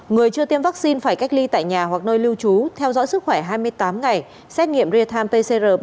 người chưa tiêm vaccine phải cách ly tại nhà hoặc nơi lưu trú theo dõi sức khỏe hai mươi tám ngày xét nghiệm real time pcr